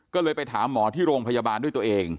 ก็เลยไปถามหมอที่โรงพยาบาลด้วยตัวเอง